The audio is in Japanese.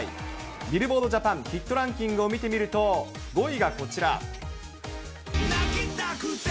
ビルボードジャパンヒットランキングを見てみると、５位がこちら。